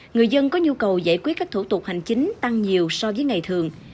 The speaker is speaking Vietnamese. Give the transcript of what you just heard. người dân có nhu cầu giải quyết các thủ tục hành chính tăng nhiều so với ngày thường